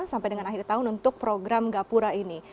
sampai dengan akhir tahun untuk program gapura ini